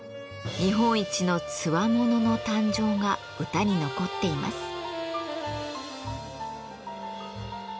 日本一の兵の誕生が歌に残っています。